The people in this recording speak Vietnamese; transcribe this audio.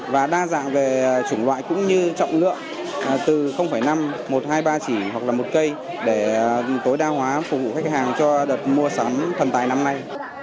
và đa dạng về chủng loại cũng như trọng lượng từ năm một hai ba chỉ hoặc là một cây để tối đa hóa phục vụ khách hàng cho đợt mua sắm thần tài năm nay